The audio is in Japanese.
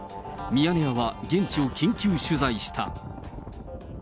ミヤネ屋は現地を緊急取材した。